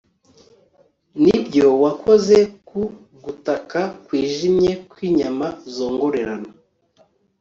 nibyo, wakoze ku gutaka kwijimye kwinyama zongorerana